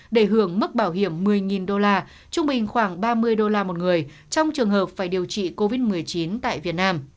để hưởng mức bảo hiểm một mươi đô la trung bình khoảng ba mươi đô la một người trong trường hợp phải điều trị covid một mươi chín tại việt nam